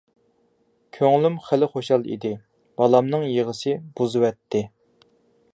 كۆڭلۈم خېلى خۇشال ئىدى، بالامنىڭ يىغىسى بۇزۇۋەتتى.